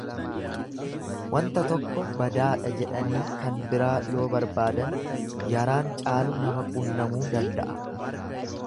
Wanta tokko badaadha jedhanii kan biraa yoo barbaadan yaraan caalu nama qunnamuu danda'a.